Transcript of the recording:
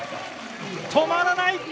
止まらない！